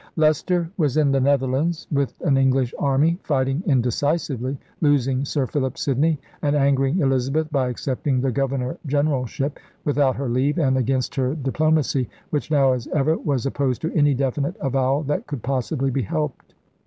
Leicester was in the Netherlands with an English army, fighting indecisively, losing Sir Philip Sidney and angering Elizabeth by accepting the governor generalship without her leave and against her diplomacy, which, now as ever, was opposed to any definite avowal that could possibly be helped.